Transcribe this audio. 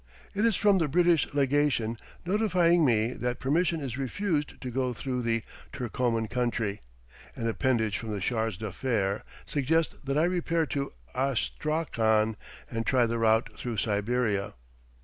It is from the British Legation, notifying me that permission is refused to go through the Turcoman country; an appendage from the Charge d'Affaires suggests that I repair to Astrakhan and try the route through Siberia.